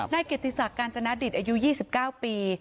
ได้เกติศาสตร์กาญจนาดิตอายุ๒๙ปี